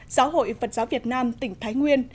giáo hội phật giáo việt nam tỉnh thái nguyên